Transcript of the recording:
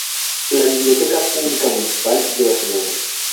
La Biblioteca Pública Municipal lleva su nombre.